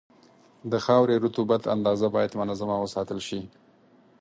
د خاورې رطوبت اندازه باید منظمه وساتل شي.